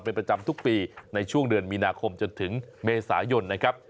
เป็นประจำทุกปีในช่วงเดือนมีนาคมจนถึงเมษายนนะครับ